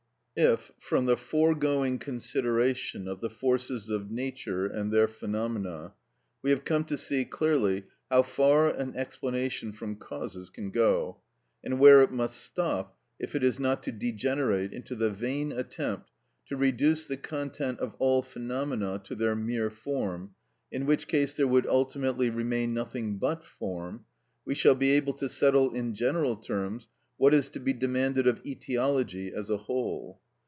If, from the foregoing consideration of the forces of nature and their phenomena, we have come to see clearly how far an explanation from causes can go, and where it must stop if it is not to degenerate into the vain attempt to reduce the content of all phenomena to their mere form, in which case there would ultimately remain nothing but form, we shall be able to settle in general terms what is to be demanded of etiology as a whole.